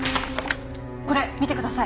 これ見てください。